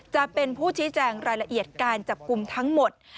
จะเป็นผู้ชี้แจงรายละเอียดการจับกลุ่มทั้งหมด